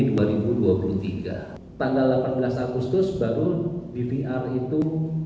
tanggal delapan belas agustus baru dvr itu